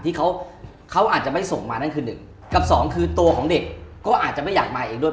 ที่เขาเขาอาจจะไม่ส่งมานั่นคือหนึ่งกับสองคือตัวของเด็กก็อาจจะไม่อยากมาเองด้วย